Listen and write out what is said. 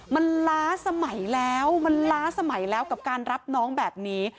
มันล้าสมัยแล้วมันล้าสมัยแล้วกับการรับน้องแบบนี้